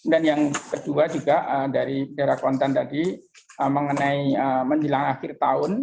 dan yang kedua juga dari bidara kontan tadi mengenai menjelang akhir tahun